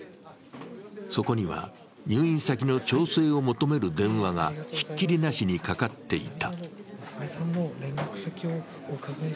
そこには入院先の調整を求める電話がひっきりなしにかかっていた。